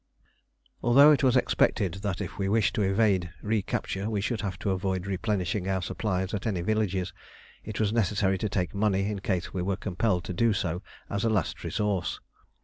Although it was expected that if we wished to evade recapture we should have to avoid replenishing our supplies at any villages, it was necessary to take money in case we were compelled to do so as a last resource.